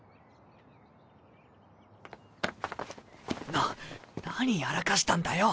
な何やらかしたんだよ。